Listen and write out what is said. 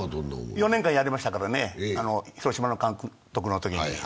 ４年間やりましたからね、広島の監督のときに。